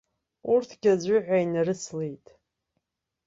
Урҭгьы аӡәы ҳәа инарыцлеит.